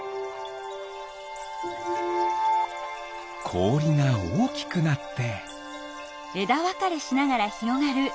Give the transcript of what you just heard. こおりがおおきくなって。